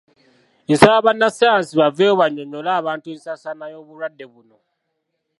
Nsaba bannassaayansi baveeyo bannyonnyole abantu ensaasaana y’obulwadde buno.